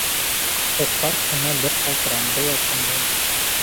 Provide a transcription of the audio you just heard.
Һуҡҡас ҡына бер ҡалтыранды ла тынды.